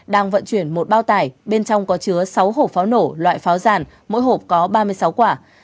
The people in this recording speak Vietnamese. đang vận chuyển một bao tải bên trong có chứa sáu hộp pháo nổ loại pháo giàn mỗi hộp có ba mươi sáu quả